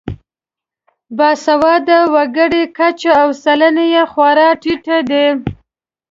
باسواده وګړو کچه او سلنه یې خورا ټیټه ده.